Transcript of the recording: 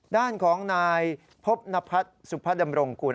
ด้านของนายพบนพัฒน์สุพพัฒน์ดำรงคุณ